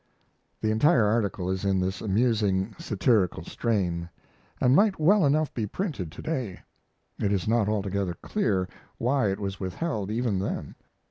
The entire article is in this amusing, satirical strain, and might well enough be printed to day. It is not altogether clear why it was withheld, even then.